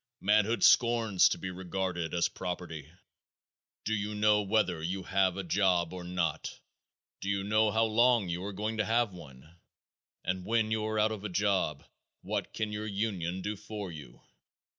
Manhood scorns to be regarded as property. Do you know whether you have a job or not? Do you know how long you are going to have one? And when you are out of a job what can your union do for you?